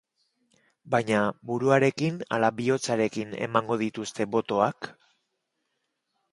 Baina, buruarekin ala bihotzarekin emango dituzte botoak?